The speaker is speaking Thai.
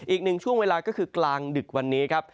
อีกหนึ่งช่วงเวลาก็คือกลางดึกวันนี้ครับ